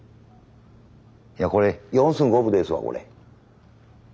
いやこれ４寸５分ですわこれ。